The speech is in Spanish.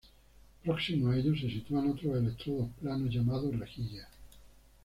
Próximos a ellos se sitúan otros electrodos planos, llamados "rejillas".